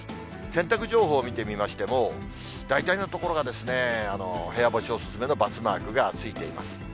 洗濯情報見てみましても、大体の所が部屋干しお勧めの×マークがついています。